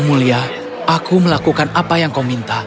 pemulia aku melakukan apa yang kau minta